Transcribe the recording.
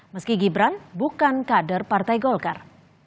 meski gibran bukan kader partai golkar